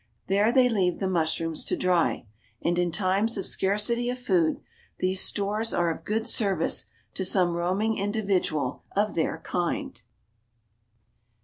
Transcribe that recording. There they leave the mushrooms to dry, and in times of scarcity of food these stores are of good service to some roaming individual of their kind."